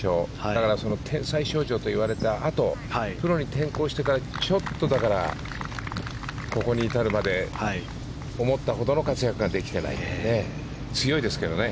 だから、天才少女といわれたあとプロに転向してからちょっと、ここに至るまで思ったほどの活躍ができていない強いですけどね。